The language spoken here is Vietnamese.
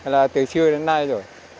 là từ trưa đến nay rồi